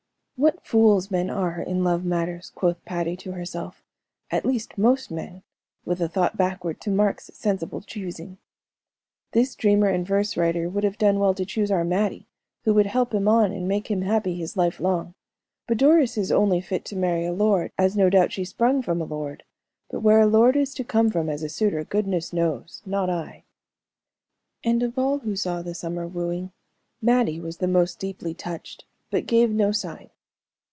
"What fools men are in love matters," quoth Patty to herself "at least most men!" with a thought backward to Mark's sensible choosing. "This dreamer and verse writer would have done well to choose our Mattie, who would help him on and make him happy his life long. But Doris is only fit to marry a lord, as no doubt she sprung from a lord; but where a lord is to come from as a suitor goodness knows, not I." And, of all who saw the summer wooing, Mattie was the most deeply touched, but gave no sign.